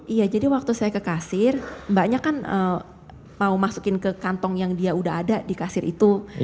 iya jadi waktu saya ke kasir mbaknya kan mau masukin ke kantong yang dia udah ada di kasir itu